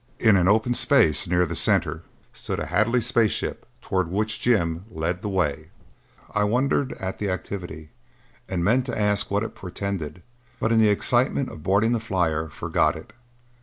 In an open space near the center stood a Hadley space ship, toward which Jim led the way. I wondered at the activity and meant to ask what it portended, but in the excitement of boarding the flyer forgot it.